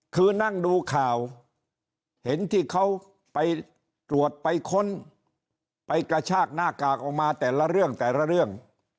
คือนั่งดูข่าวเห็นที่เขาไปตรวจไปค้นไปกระชากหน้ากากออกมาแต่ละเรื่องแต่ละเรื่อง